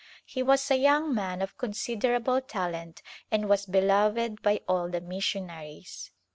He was a young man of consid erable talent and was beloved by all the missionaries.